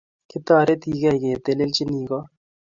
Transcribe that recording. Kitaretigei ketelelchinii kot